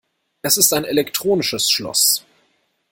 Es ist ein elektronisches Schloss.